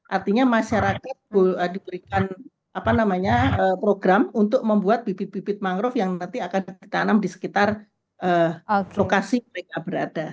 artinya masyarakat diberikan program untuk membuat bibit bibit mangrove yang nanti akan ditanam di sekitar lokasi mereka berada